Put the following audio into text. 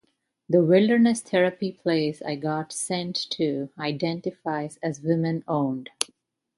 The wilderness therapy place I got sent to identifies as women-owned.